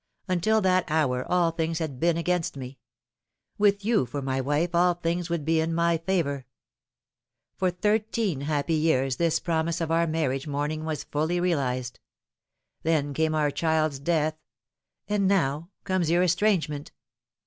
Until that hour all things had been against me. With you for my wife all things would be in my favour. For thirteen happy years this promise of our marriage morning was fully realised ; then came our child's death ; and now comes your estrangement."